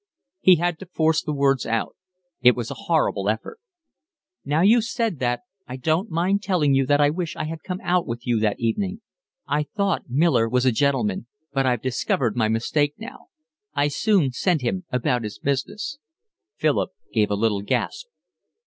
He had to force the words out. It was a horrible effort. "Now you've said that I don't mind telling you that I wish I had come out with you that evening. I thought Miller was a gentleman, but I've discovered my mistake now. I soon sent him about his business." Philip gave a little gasp.